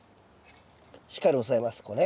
しっかり押さえますこうね。